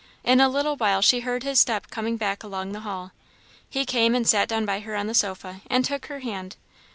In a little while she heard his step coming back along the hall. He came and sat down by her on the sofa, and took her hand.